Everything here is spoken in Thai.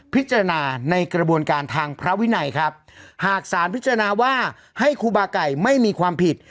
พิจารณาในกระบวนการทางพระวินัยครับหากสารพิจารณาว่าให้ครูบาไก่ไม่มีความผิด